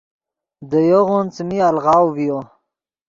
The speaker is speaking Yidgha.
دے یوغون څیمی الغاؤ ڤیو۔